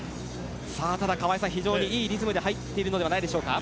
ただ、非常に良いリズムで入っているのではないでしょうか。